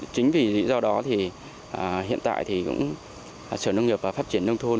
chính vì lý do đó thì hiện tại thì cũng sở nông nghiệp và phát triển nông thôn